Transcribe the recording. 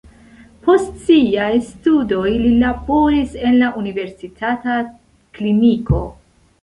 Post siaj studoj li laboris en la universitata kliniko.